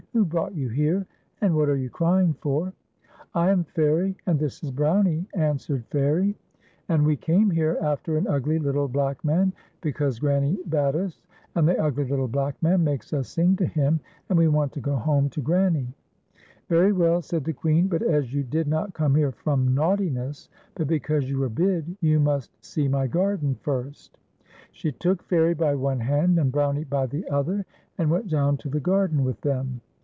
"Who brought you here, and what are you crying for.?" " I am Fairie, and this is Brownie," answered Fairie, F.i/f:// : AXD BROWME. iSi " and we came here after an ugly little black man, be cause Granny bade us, and the ugly little black man makes us sing to him, and we want to go home to Granny." "Very well," said the Queen; "but as you did not come here from naughtiness, but because you were bid, ) ou must see m\ garden first." She took Fairie by one hand and Brownie by the other, and went down to the garden with them.